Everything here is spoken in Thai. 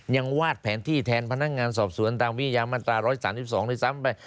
วาดแผนที่แทนพนักงานสอบสวนตามวิทยามาตรา๑๓๒ด้วยซ้ำไป